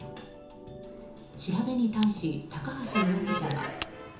調べに対し高橋容疑者は。